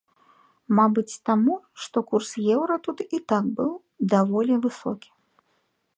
Мабыць, таму, што курс еўра тут і так быў даволі высокі.